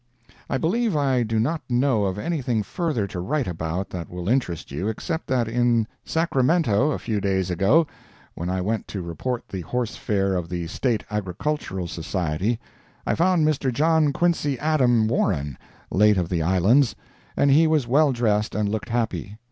I believe I do not know of anything further to write about that will interest you, except that in Sacramento, a few days ago, when I went to report the horse fair of the State Agricultural Society, I found Mr. John Quincy Adam Warren, late of the Islands, and he was well dressed and looked happy.